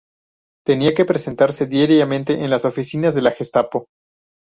Tenía que presentarse diariamente en las oficinas de la Gestapo.